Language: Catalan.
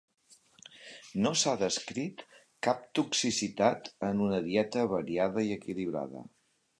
No s'ha descrit cap toxicitat en una dieta variada i equilibrada.